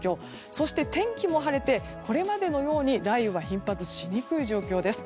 そして、天気も晴れてこれまでのように雷雨は頻発しにくい状況です。